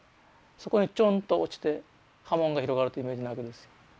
そこにちょんと落ちて波紋が広がるというイメージなわけですよ。